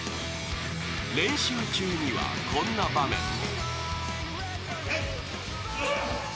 練習中には、こんな場面も。